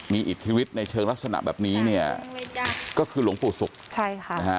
มีอิทธิฤทธิในเชิงลักษณะแบบนี้เนี่ยก็คือหลวงปู่ศุกร์ใช่ค่ะนะฮะ